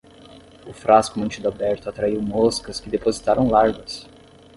O frasco mantido aberto atraiu moscas que depositaram larvas